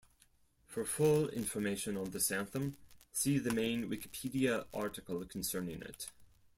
For full information on this anthem, see the main Wikipedia article concerning it.